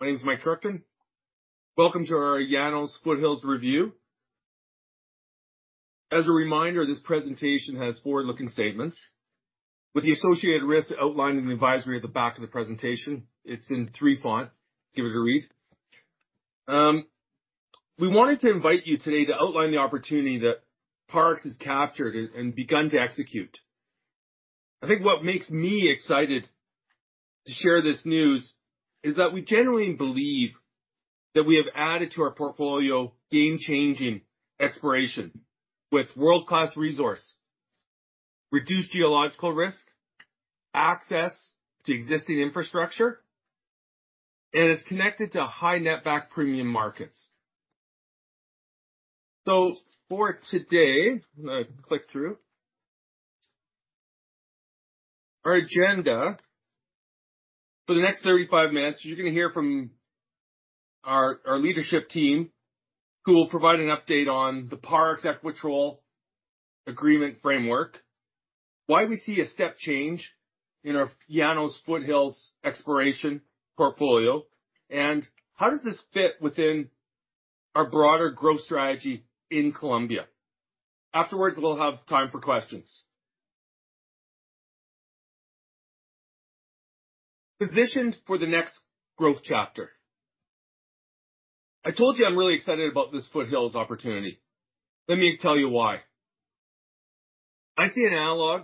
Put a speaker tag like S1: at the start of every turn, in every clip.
S1: My name's Mike Kruchten. Welcome to our Llanos Foothills Review. As a reminder, this presentation has forward-looking statements. With the associated risks outlined in the advisory at the back of the presentation, it's in three font. Give it a read. We wanted to invite you today to outline the opportunity that Parex has captured and begun to execute. I think what makes me excited to share this news is that we genuinely believe that we have added to our portfolio game-changing exploration with world-class resource, reduced geological risk, access to existing infrastructure, and it's connected to high net-back premium markets. So for today, I'm going to click through. Our agenda for the next 35 minutes, you're going to hear from our leadership team who will provide an update on the Parex Ecopetrol Mutual Interest Agreement Framework, why we see a step change in our Llanos Foothills exploration portfolio, and how does this fit within our broader growth strategy in Colombia. Afterwards, we'll have time for questions. Positioned for the next growth chapter. I told you I'm really excited about this Foothills opportunity. Let me tell you why. I see an analog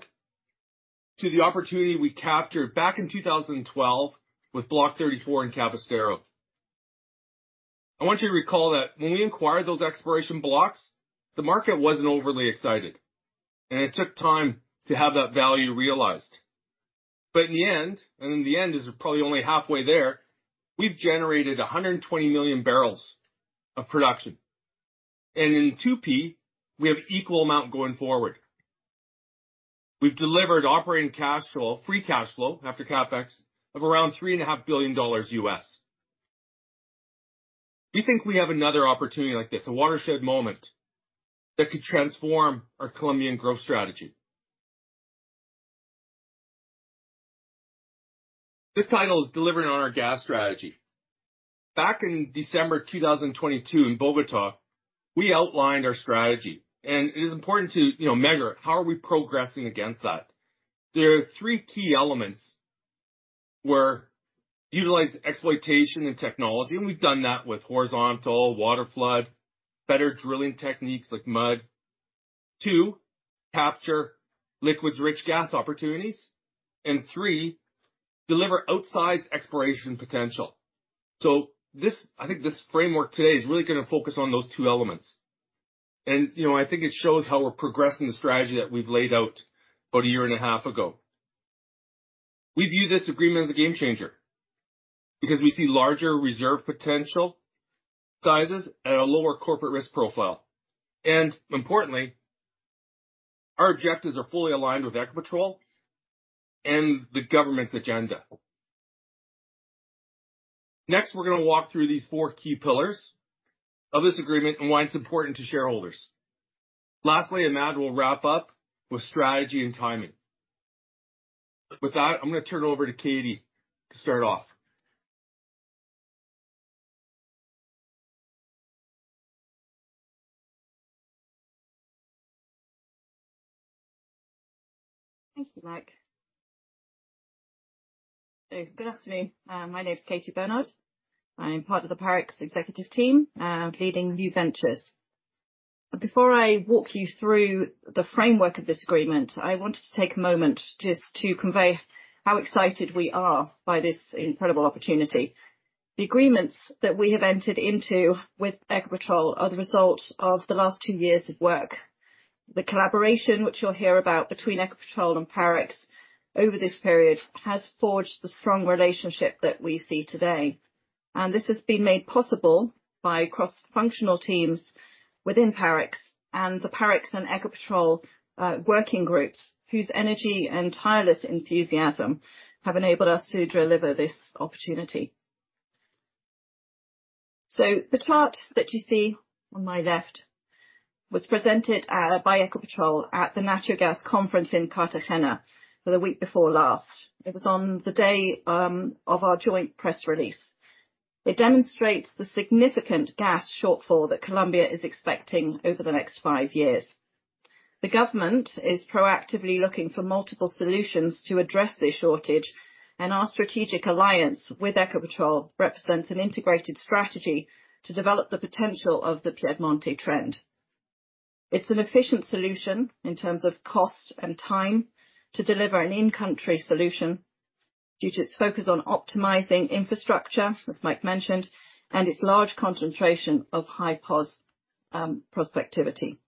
S1: to the opportunity we captured back in 2012 with Block 34 in Casanare. I want you to recall that when we acquired those exploration blocks, the market wasn't overly excited, and it took time to have that value realized. But in the end, and in the end is probably only halfway there, we've generated 120 million barrels of production. And in 2P, we have equal amount going forward. We've delivered operating cash flow, free cash flow after CapEx, of around $3.5 billion. We think we have another opportunity like this, a watershed moment that could transform our Colombian growth strategy. This title is Delivering on Our Gas Strategy. Back in December 2022 in Bogotá, we outlined our strategy, and it is important to measure it. How are we progressing against that? There are three key elements: one, utilize exploration and technology, and we've done that with horizontal, waterflood, better drilling techniques like mud. Two, capture liquids-rich gas opportunities. And three, deliver outsized exploration potential. So, I think this framework today is really going to focus on those two elements. And I think it shows how we're progressing the strategy that we've laid out about a year and a half ago. We view this agreement as a game changer because we see larger reserve potential sizes and a lower corporate risk profile. Importantly, our objectives are fully aligned with Ecopetrol and the government's agenda. Next, we're going to walk through these four key pillars of this agreement and why it's important to shareholders. Lastly, Imad will wrap up with strategy and timing. With that, I'm going to turn it over to Katie to start off.
S2: Thank you, Mike. Good afternoon. My name's Katie Bernard. I'm part of the Parex executive team leading new ventures. Before I walk you through the framework of this agreement, I wanted to take a moment just to convey how excited we are by this incredible opportunity. The agreements that we have entered into with Ecopetrol are the result of the last two years of work. The collaboration which you'll hear about between Ecopetrol and Parex over this period has forged the strong relationship that we see today. This has been made possible by cross-functional teams within Parex and the Parex and Ecopetrol working groups whose energy and tireless enthusiasm have enabled us to deliver this opportunity. The chart that you see on my left was presented by Ecopetrol at the Natural Gas Conference in Cartagena the week before last. It was on the day of our joint press release. It demonstrates the significant gas shortfall that Colombia is expecting over the next five years. The government is proactively looking for multiple solutions to address this shortage, and our strategic alliance with Ecopetrol represents an integrated strategy to develop the potential of the Piedmont trend. It's an efficient solution in terms of cost and time to deliver an in-country solution due to its focus on optimizing infrastructure, as Mike mentioned, and its large concentration of high-potential prospectivity.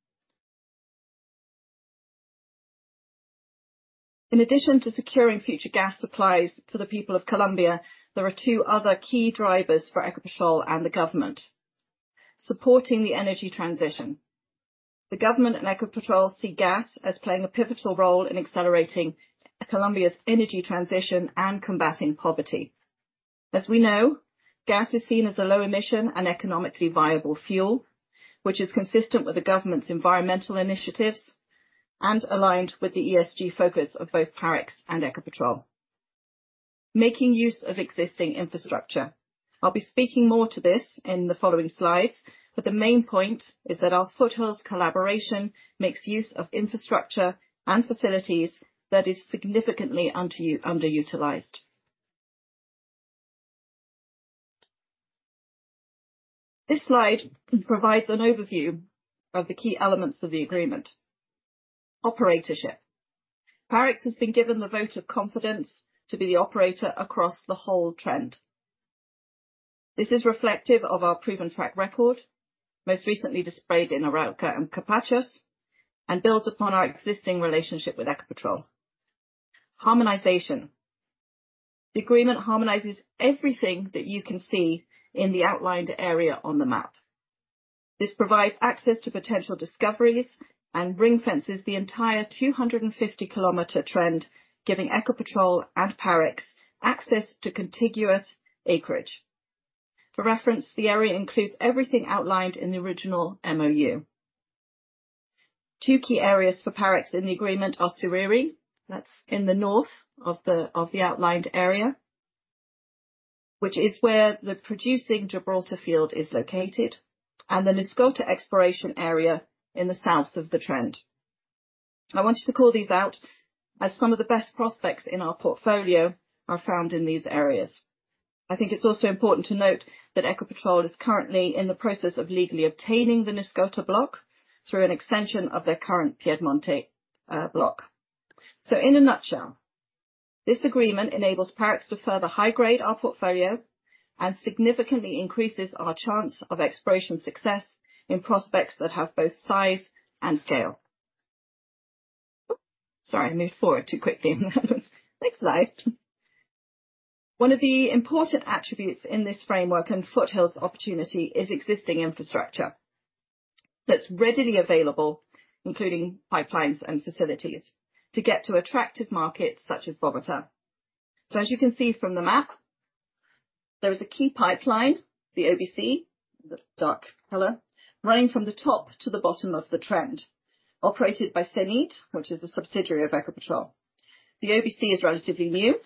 S2: In addition to securing future gas supplies for the people of Colombia, there are two other key drivers for Ecopetrol and the government: supporting the energy transition. The government and Ecopetrol see gas as playing a pivotal role in accelerating Colombia's energy transition and combating poverty. As we know, gas is seen as a low-emission and economically viable fuel, which is consistent with the government's environmental initiatives and aligned with the ESG focus of both Parex and Ecopetrol. Making use of existing infrastructure. I'll be speaking more to this in the following slides, but the main point is that our Foothills collaboration makes use of infrastructure and facilities that is significantly underutilized. This slide provides an overview of the key elements of the agreement. Operatorship. Parex has been given the vote of confidence to be the operator across the whole trend. This is reflective of our proven track record, most recently displayed in Arauca and Capachos, and builds upon our existing relationship with Ecopetrol. Harmonization. The agreement harmonizes everything that you can see in the outlined area on the map. This provides access to potential discoveries and ring-fences the entire 250-kilometer trend, giving Ecopetrol and Parex access to contiguous acreage. For reference, the area includes everything outlined in the original MOU. Two key areas for Parex in the agreement are Siriri. That's in the north of the outlined area, which is where the producing Gibraltar field is located, and the Niscota exploration area in the south of the trend. I want you to call these out as some of the best prospects in our portfolio are found in these areas. I think it's also important to note that Ecopetrol is currently in the process of legally obtaining the Niscota block through an extension of their current Piedmont block. So, in a nutshell, this agreement enables Parex to further high-grade our portfolio and significantly increases our chance of exploration success in prospects that have both size and scale. Sorry, I moved forward too quickly. Next slide. One of the important attributes in this framework and Foothills opportunity is existing infrastructure that's readily available, including pipelines and facilities, to get to attractive markets such as Bogotá. So, as you can see from the map, there is a key pipeline, the OBC, the dark colour, running from the top to the bottom of the trend, operated by Cenit, which is a subsidiary of Ecopetrol. The OBC is relatively new.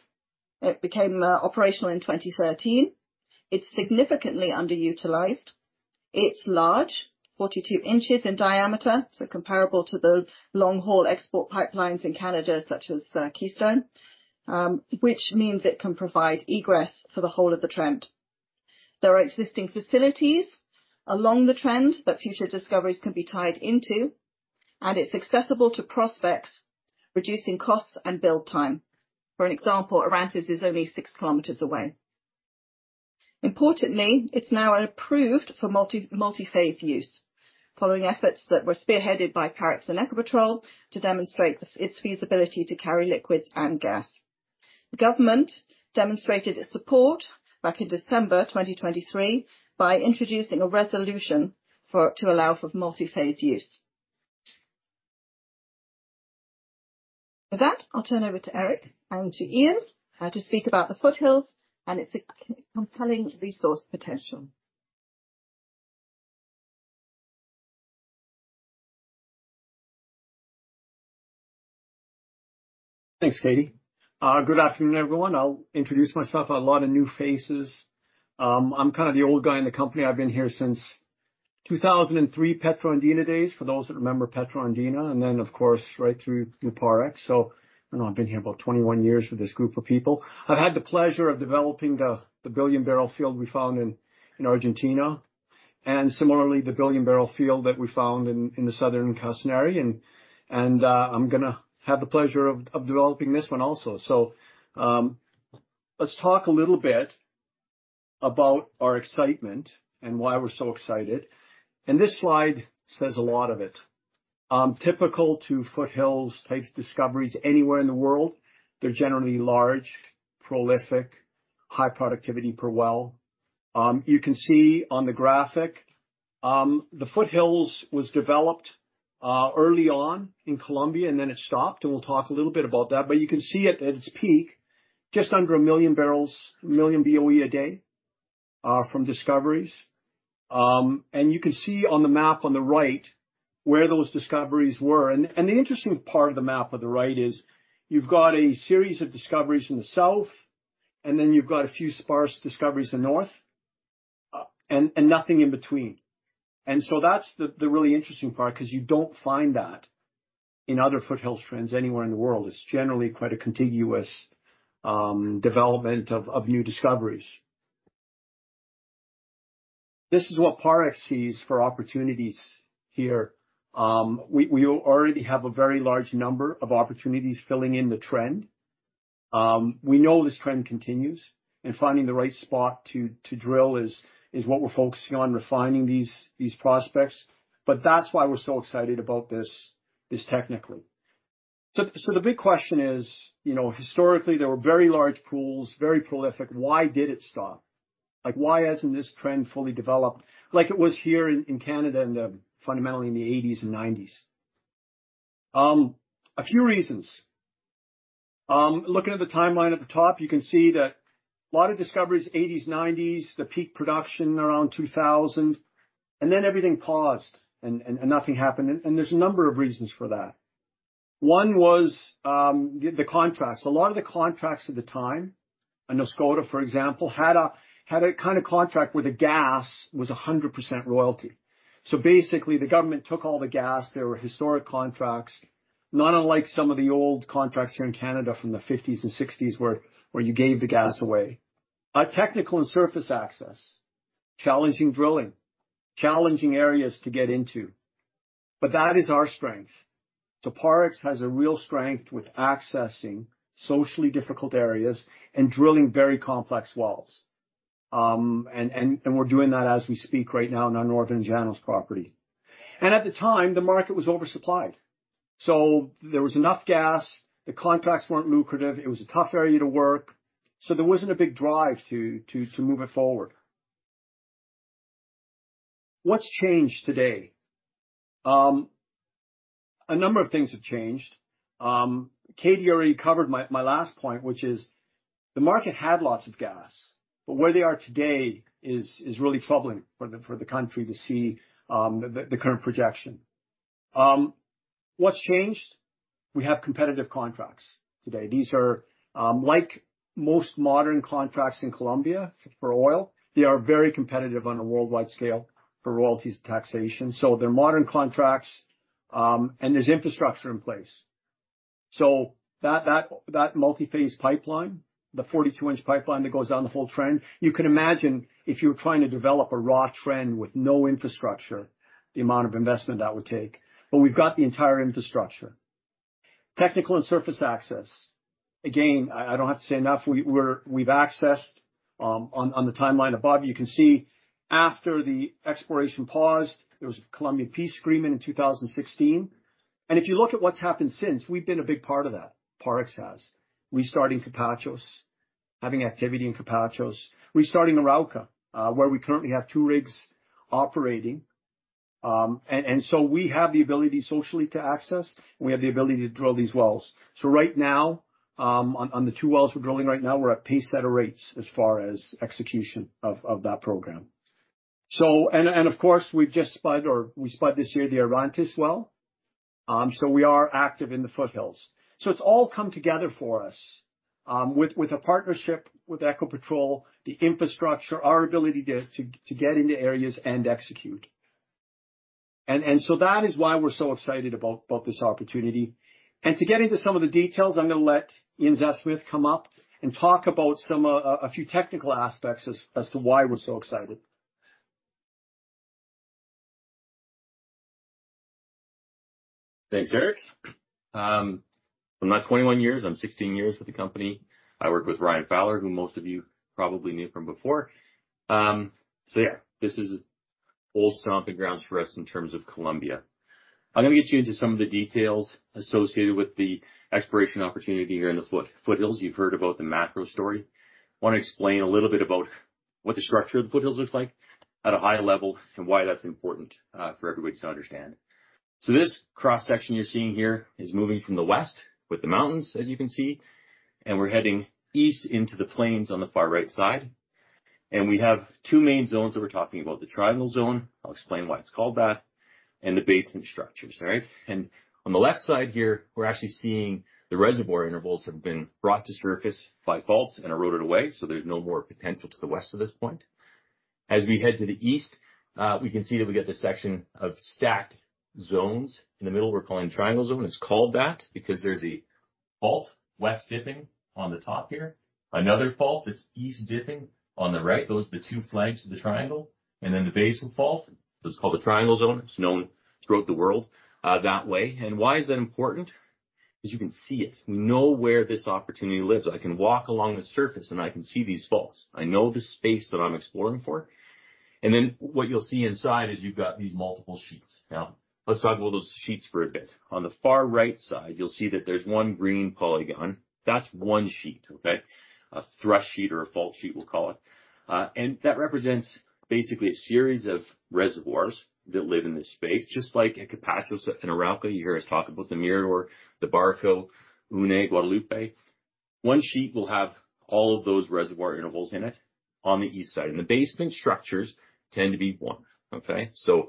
S2: It became operational in 2013. It's significantly underutilized. It's large, 42 inches in diameter, so comparable to the long-haul export pipelines in Canada such as Keystone, which means it can provide egress for the whole of the trend. There are existing facilities along the trend that future discoveries can be tied into, and it's accessible to prospects, reducing costs and build time. For an example, Arauca is only 6 kilometers away. Importantly, it's now approved for multi-phase use, following efforts that were spearheaded by Parex and Ecopetrol to demonstrate its feasibility to carry liquids and gas. The government demonstrated its support back in December 2023 by introducing a resolution to allow for multi-phase use. With that, I'll turn over to Eric and to Ian to speak about the Foothills and its compelling resource potential.
S3: Thanks, Katie. Good afternoon, everyone. I'll introduce myself. A lot of new faces. I'm kind of the old guy in the company. I've been here since 2003 Petro Andina days, for those that remember Petro Andina, and then, of course, right through PARCS. So, I don't know, I've been here about 21 years with this group of people. I've had the pleasure of developing the billion-barrel field we found in Argentina, and similarly, the billion-barrel field that we found in the southern Casanare. And I'm going to have the pleasure of developing this one also. So, let's talk a little bit about our excitement and why we're so excited. And this slide says a lot of it. Typical to Foothills-type discoveries anywhere in the world, they're generally large, prolific, high productivity per well. You can see on the graphic, the Foothills was developed early on in Colombia, and then it stopped. And we'll talk a little bit about that. But you can see at its peak, just under 1 million barrels, 1 million BOE a day from discoveries. And you can see on the map on the right where those discoveries were. And the interesting part of the map on the right is you've got a series of discoveries in the south, and then you've got a few sparse discoveries in the north and nothing in between. And so that's the really interesting part because you don't find that in other Foothills trends anywhere in the world. It's generally quite a contiguous development of new discoveries. This is what PARCS sees for opportunities here. We already have a very large number of opportunities filling in the trend. We know this trend continues, and finding the right spot to drill is what we're focusing on, refining these prospects. But that's why we're so excited about this technically. So, the big question is, historically, there were very large pools, very prolific. Why did it stop? Why hasn't this trend fully developed like it was here in Canada fundamentally in the 1980s and 1990s? A few reasons. Looking at the timeline at the top, you can see that a lot of discoveries, 1980s, 1990s, the peak production around 2000, and then everything paused and nothing happened. And there's a number of reasons for that. One was the contracts. A lot of the contracts at the time, Niscota, for example, had a kind of contract where the gas was 100% royalty. So, basically, the government took all the gas. There were historic contracts, not unlike some of the old contracts here in Canada from the 1950s and 1960s where you gave the gas away. Technical and surface access, challenging drilling, challenging areas to get into. But that is our strength. So, Parex has a real strength with accessing socially difficult areas and drilling very complex wells. And we're doing that as we speak right now on our Northern Llanos property. And at the time, the market was oversupplied. So, there was enough gas. The contracts weren't lucrative. It was a tough area to work. So, there wasn't a big drive to move it forward. What's changed today? A number of things have changed. Katie already covered my last point, which is the market had lots of gas, but where they are today is really troubling for the country to see the current projection. What's changed? We have competitive contracts today. These are like most modern contracts in Colombia for oil. They are very competitive on a worldwide scale for royalties and taxation. So, they're modern contracts, and there's infrastructure in place. So, that multi-phase pipeline, the 42-inch pipeline that goes down the whole trend, you can imagine if you were trying to develop a raw trend with no infrastructure, the amount of investment that would take. But we've got the entire infrastructure. Technical and surface access. Again, I don't have to say enough. We've accessed on the timeline above. You can see after the exploration paused, there was a Colombian peace agreement in 2016. And if you look at what's happened since, we've been a big part of that. Parex has. Restarting Capachos, having activity in Capachos. Restarting Arauca, where we currently have two rigs operating. And so, we have the ability socially to access, and we have the ability to drill these wells. So, right now, on the two wells we're drilling right now, we're at pace at a rate as far as execution of that program. And, of course, we've just spud or we spud this year the Arantes well. So, we are active in the Foothills. So, it's all come together for us with a partnership with Ecopetrol, the infrastructure, our ability to get into areas and execute. And so, that is why we're so excited about this opportunity. And to get into some of the details, I'm going to let Ian Zapfe-Smith come up and talk about a few technical aspects as to why we're so excited.
S4: Thanks, Eric. I'm not 21 years. I'm 16 years with the company. I work with Ryan Fowler, who most of you probably knew from before. So, yeah, this is old stomping grounds for us in terms of Colombia. I'm going to get you into some of the details associated with the exploration opportunity here in the Foothills. You've heard about the macro story. Want to explain a little bit about what the structure of the Foothills looks like at a high level and why that's important for everybody to understand. So, this cross-section you're seeing here is moving from the west with the mountains, as you can see, and we're heading east into the plains on the far right side. And we have two main zones that we're talking about: the triangle zone - I'll explain why it's called that - and the basement structures, all right? On the left side here, we're actually seeing the reservoir intervals have been brought to surface by faults and eroded away, so there's no more potential to the west at this point. As we head to the east, we can see that we get this section of stacked zones. In the middle, we're calling the Triangle Zone. It's called that because there's a fault, west-dipping, on the top here. Another fault that's east-dipping on the right. Those are the two flags of the triangle. And then the basal fault. It's called the Triangle Zone. It's known throughout the world that way. And why is that important? Because you can see it. We know where this opportunity lives. I can walk along the surface, and I can see these faults. I know the space that I'm exploring for. What you'll see inside is you've got these multiple sheets. Now, let's talk about those sheets for a bit. On the far right side, you'll see that there's one green polygon. That's one sheet, okay? A thrust sheet or a fault sheet, we'll call it. And that represents basically a series of reservoirs that live in this space, just like at Capachos and Arauca. You hear us talk about the Mirador, the Barco, Une, Guadalupe. One sheet will have all of those reservoir intervals in it on the east side. And the basement structures tend to be one, okay? So,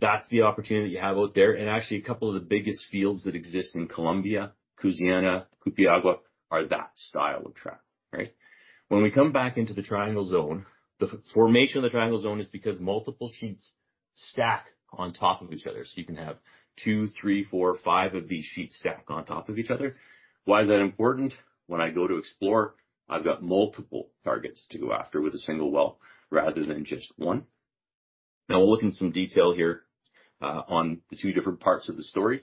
S4: that's the opportunity that you have out there. And actually, a couple of the biggest fields that exist in Colombia, Cusiana, Cúpiagua, are that style of trap, all right? When we come back into the Triangle Zone, the formation of the Triangle Zone is because multiple sheets stack on top of each other. So, you can have two, three, four, five of these sheets stack on top of each other. Why is that important? When I go to explore, I've got multiple targets to go after with a single well rather than just one. Now, we'll look in some detail here on the two different parts of the story.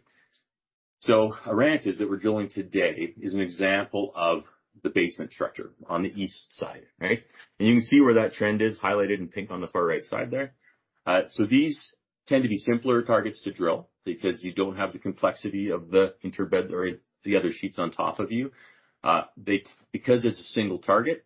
S4: So, Arantes that we're drilling today is an example of the Basement Structure on the east side, all right? And you can see where that trend is highlighted in pink on the far right side there. So, these tend to be simpler targets to drill because you don't have the complexity of the interbed or the other sheets on top of you. Because it's a single target,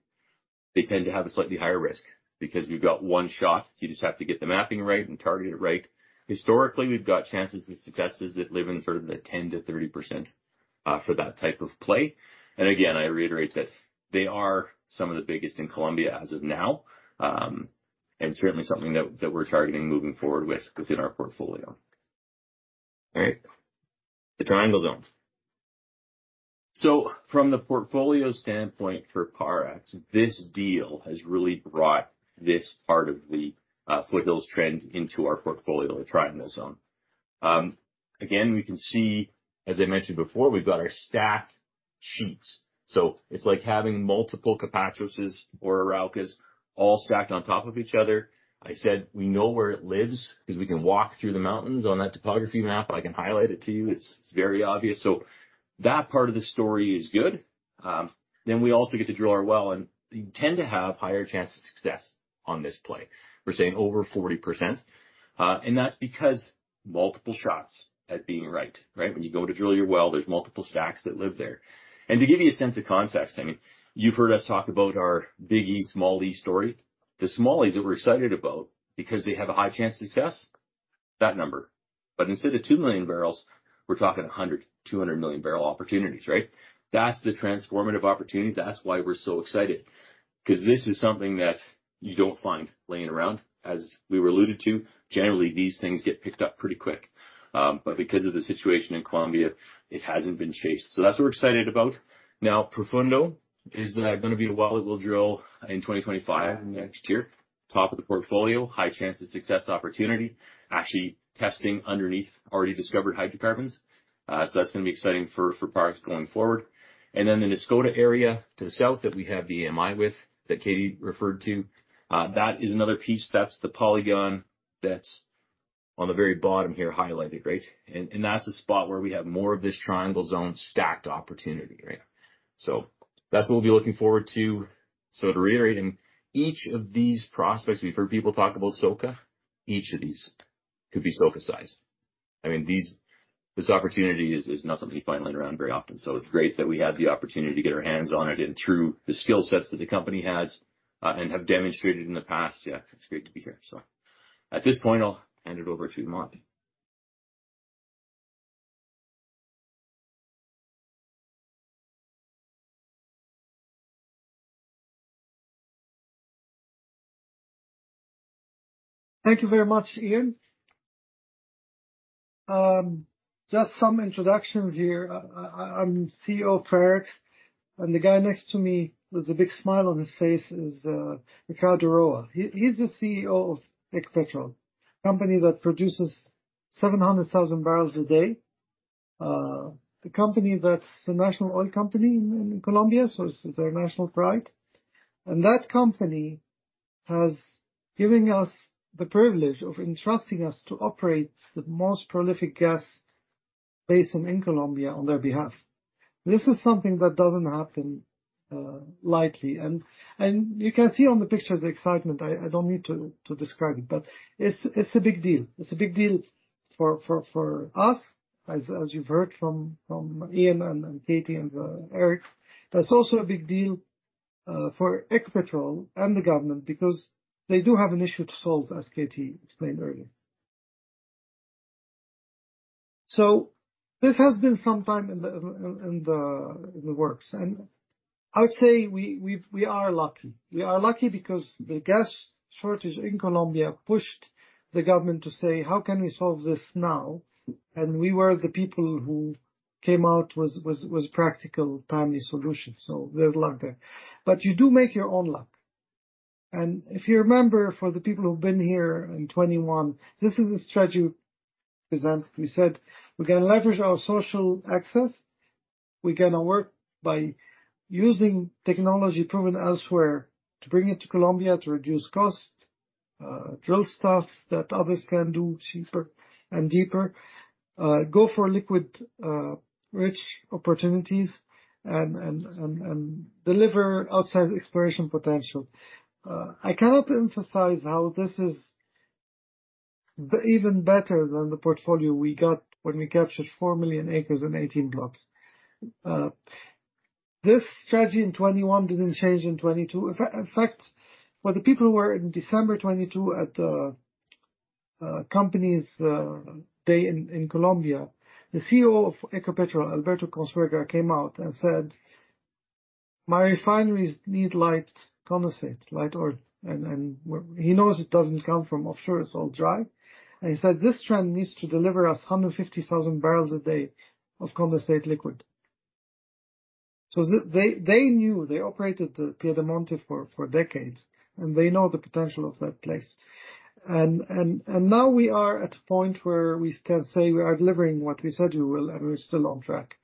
S4: they tend to have a slightly higher risk because we've got one shot. You just have to get the mapping right and target it right. Historically, we've got chances and successes that live in sort of the 10%-30% for that type of play. And again, I reiterate that they are some of the biggest in Colombia as of now and certainly something that we're targeting moving forward with within our portfolio. All right? The triangle zone. So, from the portfolio standpoint for PARCS, this deal has really brought this part of the Foothills trend into our portfolio, the triangle zone. Again, we can see, as I mentioned before, we've got our stacked sheets. So, it's like having multiple Capachos or Arauca all stacked on top of each other. I said we know where it lives because we can walk through the mountains on that topography map. I can highlight it to you. It's very obvious. So, that part of the story is good. Then we also get to drill our well, and you tend to have higher chances of success on this play. We're saying over 40%. And that's because multiple shots at being right, right? When you go to drill your well, there's multiple stacks that live there. And to give you a sense of context, I mean, you've heard us talk about our Big E, Small E story. The small east that we're excited about, because they have a high chance of success, that number. But instead of 2 million barrels, we're talking 100-200 million barrel opportunities, right? That's the transformative opportunity. That's why we're so excited because this is something that you don't find laying around. As we were alluded to, generally, these things get picked up pretty quick. But because of the situation in Colombia, it hasn't been chased. So, that's what we're excited about. Now, Profundo is going to be a well that we'll drill in 2025, next year, top of the portfolio, high chances of success opportunity, actually testing underneath already discovered hydrocarbons. So, that's going to be exciting for Parex going forward. And then the Niscota area to the south that we have the EMI with that Katie referred to, that is another piece. That's the polygon that's on the very bottom here highlighted, right? And that's a spot where we have more of this Triangle Zone stacked opportunity, right? So, that's what we'll be looking forward to. So, to reiterate, in each of these prospects, we've heard people talk about SoCa. Each of these could be SoCa-sized. I mean, this opportunity is not something you find laying around very often. So, it's great that we had the opportunity to get our hands on it and through the skill sets that the company has and have demonstrated in the past. Yeah, it's great to be here, so. At this point, I'll hand it over to Mohsen.
S5: Thank you very much, Ian. Just some introductions here. I'm CEO of Parex. The guy next to me with the big smile on his face is Ricardo Roa. He's the CEO of Ecopetrol, a company that produces 700,000 barrels a day. The company that's the national oil company in Colombia, so it's their national pride. That company has given us the privilege of entrusting us to operate the most prolific gas basin in Colombia on their behalf. This is something that doesn't happen lightly. You can see on the pictures the excitement. I don't need to describe it, but it's a big deal. It's a big deal for us, as you've heard from Ian and Katie and Eric. It's also a big deal for Ecopetrol and the government because they do have an issue to solve, as Katie explained earlier. This has been some time in the works. I would say we are lucky. We are lucky because the gas shortage in Colombia pushed the government to say, "How can we solve this now?" We were the people who came out with practical, timely solutions. There's luck there. But you do make your own luck. And if you remember, for the people who've been here in 2021, this is the strategy we presented. We said, "We're going to leverage our social access. We're going to work by using technology proven elsewhere to bring it to Colombia to reduce cost, drill stuff that others can do cheaper and deeper, go for liquid-rich opportunities, and deliver outsized exploration potential." I cannot emphasize how this is even better than the portfolio we got when we captured 4 million acres in 18 blocks. This strategy in 2021 didn't change in 2022. In fact, for the people who were in December 2022 at the company's day in Colombia, the CEO of Ecopetrol, Alberto Consuegra, came out and said, "My refineries need light condensate, light oil." And he knows it doesn't come from offshore. It's all dry. And he said, "This trend needs to deliver us 150,000 barrels a day of condensate liquid." So, they knew. They operated the Piedemonte for decades, and they know the potential of that place. And now we are at a point where we can say we are delivering what we said we will, and we're still on track.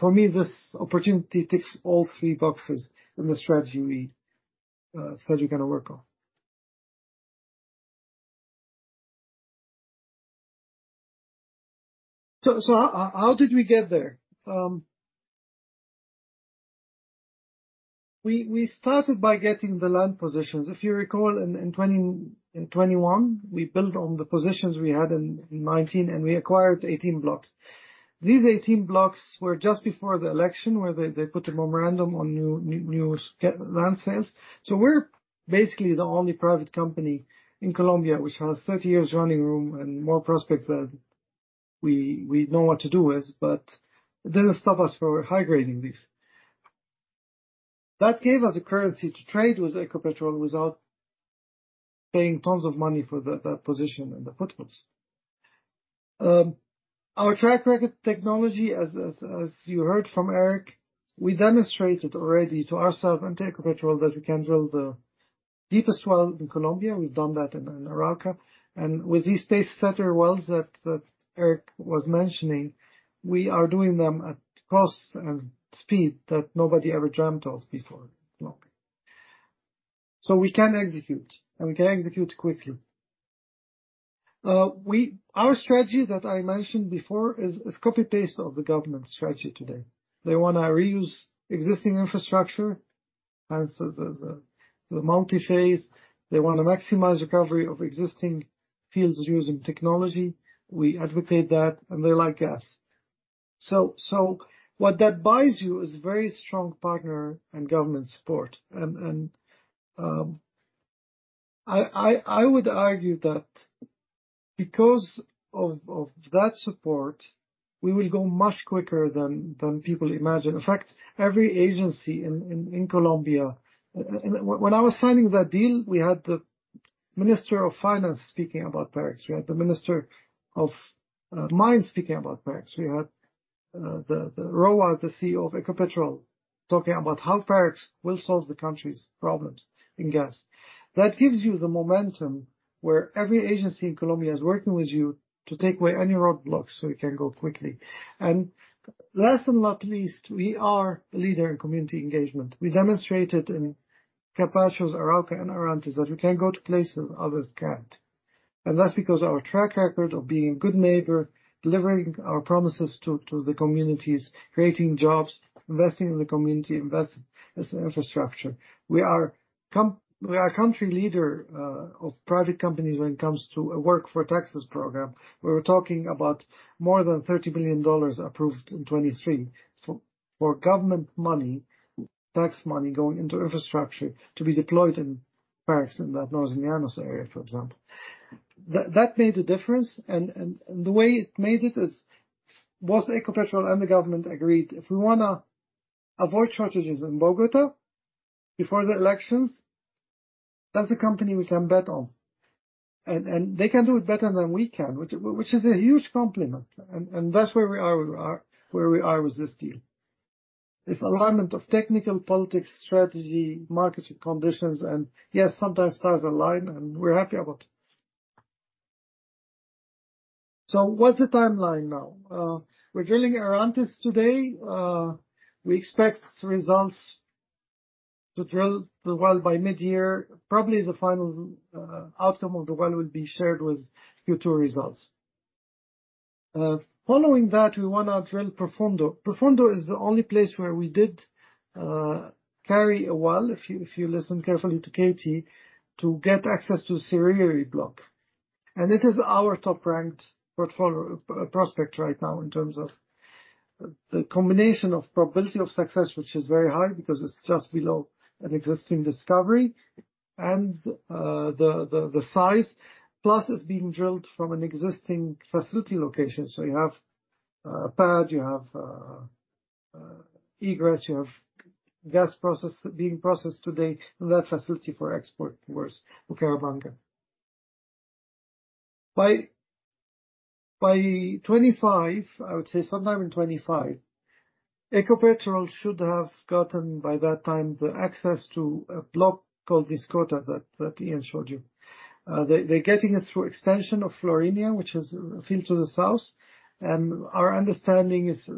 S5: For me, this opportunity ticks all three boxes in the strategy we said we're going to work on. So, how did we get there? We started by getting the land positions. If you recall, in 2021, we built on the positions we had in 2019, and we acquired 18 blocks. These 18 blocks were just before the election where they put a memorandum on new land sales. So, we're basically the only private company in Colombia which has 30 years running room and more prospects that we know what to do with. But it didn't stop us from highgrading these. That gave us the currency to trade with Ecopetrol without paying tons of money for that position in the foothills. Our track record technology, as you heard from Eric, we demonstrated already to ourselves and to Ecopetrol that we can drill the deepest well in Colombia. We've done that in Arauca. And with these space-centered wells that Eric was mentioning, we are doing them at costs and speed that nobody ever dreamt of before in Colombia. So, we can execute, and we can execute quickly. Our strategy that I mentioned before is copy-paste of the government's strategy today. They want to reuse existing infrastructure as the multiphase. They want to maximize recovery of existing fields using technology. We advocate that, and they like gas. So, what that buys you is very strong partner and government support. And I would argue that because of that support, we will go much quicker than people imagine. In fact, every agency in Colombia when I was signing that deal, we had the Minister of Finance speaking about Parex. We had the Minister of Mines speaking about Parex. We had Roa, the CEO of Ecopetrol, talking about how Parex will solve the country's problems in gas. That gives you the momentum where every agency in Colombia is working with you to take away any roadblocks so you can go quickly. Last but not least, we are a leader in community engagement. We demonstrated in Capachos, Arauca, and Casanare that we can go to places others can't. That's because of our track record of being a good neighbor, delivering our promises to the communities, creating jobs, investing in the community, investing in infrastructure. We are a country leader of private companies when it comes to a work-for-taxes program where we're talking about more than $30 million approved in 2023 for government money, tax money going into infrastructure to be deployed in Parex in that Northern Llanos area, for example. That made a difference. The way it made it was Ecopetrol and the government agreed, "If we want to avoid shortages in Bogotá before the elections, that's a company we can bet on." They can do it better than we can, which is a huge compliment. That's where we are where we are with this deal. It's alignment of technical, politics, strategy, market conditions. And yes, sometimes stars align, and we're happy about it. So, what's the timeline now? We're drilling Arantes today. We expect results to drill the well by mid-year. Probably the final outcome of the well will be shared with Q2 results. Following that, we want to drill Profundo. Profundo is the only place where we did carry a well, if you listen carefully to Katie, to get access to the Cereri block. And it is our top-ranked prospect right now in terms of the combination of probability of success, which is very high because it's just below an existing discovery and the size. Plus, it's being drilled from an existing facility location. So, you have PAD, you have egress, you have gas being processed today in that facility for export towards Bucaramanga. By 2025, I would say sometime in 2025, Ecopetrol should have gotten by that time the access to a block called Niscota that Ian showed you. They're getting it through extension of Floreña, which is a field to the south. Our understanding is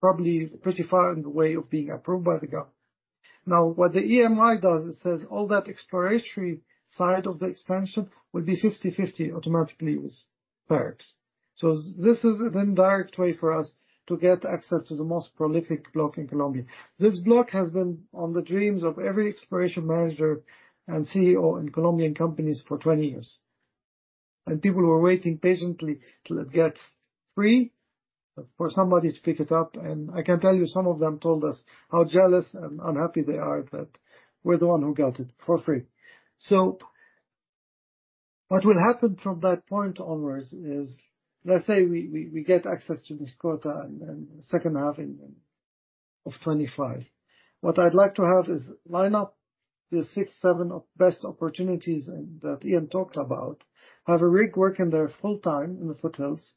S5: probably pretty far in the way of being approved by the government. Now, what the EMI does, it says all that exploratory side of the extension will be 50/50 automatically with Parex. So, this is a then direct way for us to get access to the most prolific block in Colombia. This block has been on the dreams of every exploration manager and CEO in Colombian companies for 20 years. And people were waiting patiently till it gets free for somebody to pick it up. I can tell you some of them told us how jealous and unhappy they are that we're the one who got it for free. So, what will happen from that point onwards is, let's say we get access to Niscota in the second half of 2025. What I'd like to have is line up the six, seven best opportunities that Ian talked about, have Eric working there full-time in the foothills.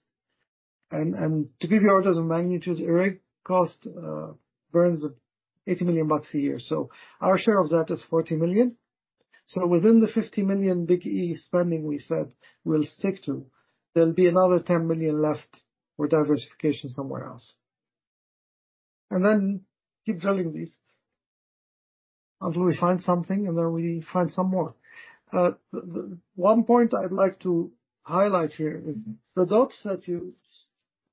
S5: And to give you orders of magnitude, Eric costs burns $80 million a year. So, our share of that is $40 million. So, within the $50 million big E spending we said we'll stick to, there'll be another $10 million left for diversification somewhere else. And then keep drilling these until we find something, and then we find some more. One point I'd like to highlight here is the notes that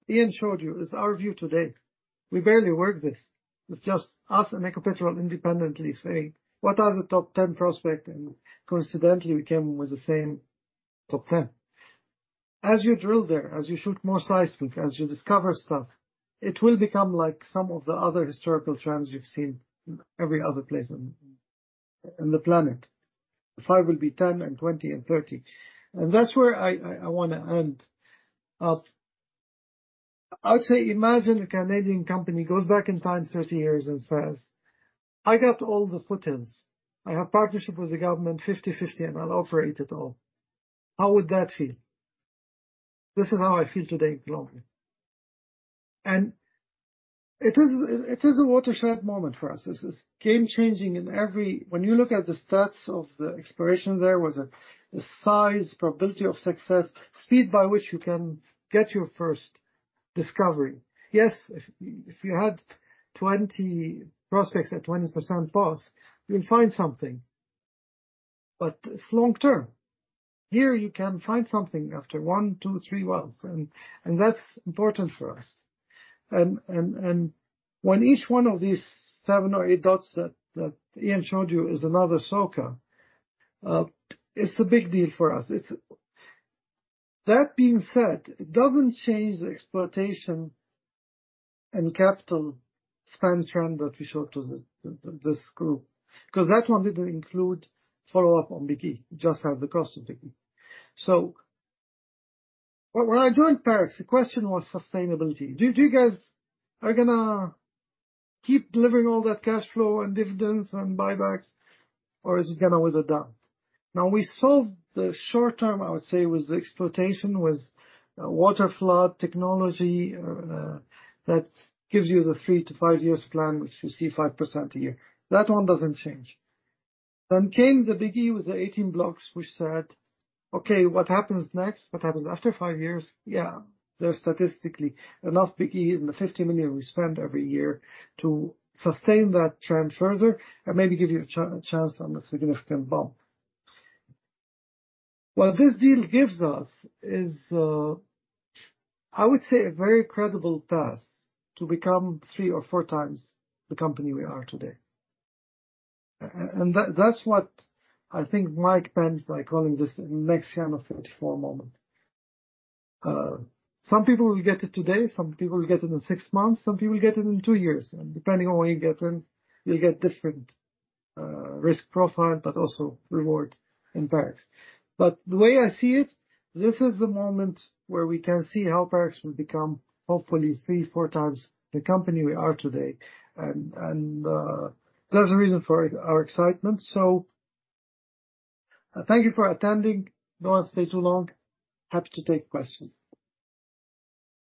S5: Ian showed you is our view today. We barely work this. It's just us and Ecopetrol independently saying, "What are the top 10 prospects?" And coincidentally, we came with the same top 10. As you drill there, as you shoot more seismic, as you discover stuff, it will become like some of the other historical trends you've seen in every other place on the planet. The five will be 10 and 20 and 30. And that's where I want to end up. I would say imagine a Canadian company goes back in time 30 years and says, "I got all the Foothills. I have partnership with the government 50/50, and I'll operate it all." How would that feel? This is how I feel today in Colombia. And it is a watershed moment for us. This is game-changing in every way when you look at the stats of the exploration there with the size, probability of success, speed by which you can get your first discovery. Yes, if you had 20 prospects at 20% POS, you'll find something. But it's long-term. Here, you can find something after 1, 2, 3 wells. That's important for us. When each one of these seven or eight dots that Ian showed you is another SoCa, it's a big deal for us. That being said, it doesn't change the exploration and capital spend trend that we showed to this group because that one didn't include follow-up on Big E. It just had the cost of Big E. When I joined Parex, the question was sustainability. Do you guys are going to keep delivering all that cash flow and dividends and buybacks, or is it going to wither down? Now, we solved the short-term, I would say, with the exploitation, with water flood technology that gives you the three to five years plan, which you see 5% a year. That one doesn't change. Then came the Big E with the 18 blocks, which said, "Okay, what happens next? What happens after five years?" Yeah, there's statistically enough Big E in the $50 million we spend every year to sustain that trend further and maybe give you a chance on a significant bump. What this deal gives us is, I would say, a very credible path to become three or four times the company we are today. And that's what I think Mike penned by calling this next Llanos 2024 moment. Some people will get it today. Some people will get it in six months. Some people will get it in two years. And depending on where you get in, you'll get different risk profile but also reward in Parex. But the way I see it, this is the moment where we can see how Parex will become, hopefully, three four times the company we are today. And there's a reason for our excitement. So, thank you for attending. No one stayed too long. Happy to take questions.